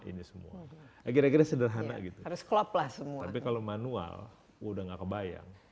ini semua kira kira sederhana gitu harus club lah semua tapi kalau manual udah nggak kebayang